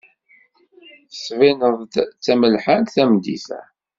Tettbineḍ-d d tamelḥant tameddit-a.